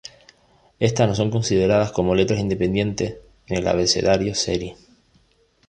Estas no son consideradas como letras independientes en el abecedario seri.